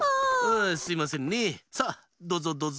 あすいませんねさあどぞどぞ。